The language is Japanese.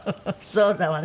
そうだわね。